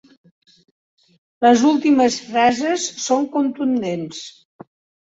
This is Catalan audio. Les últimes frases són contundents.